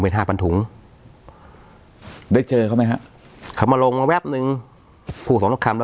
เป็นห้าพันถุงได้เจอเขาไหมคะเขามาลงมาแวดนึงพูดสองพันคามแล้ว